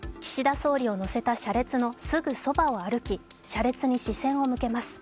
総理を乗せた車列のすぐそばを歩き、車列に視線を向けます。